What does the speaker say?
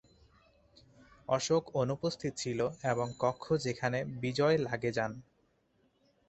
অশোক অনুপস্থিত ছিল এবং কক্ষ যেখানে বিজয় লাগে যান।